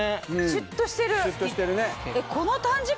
シュッとしてるね。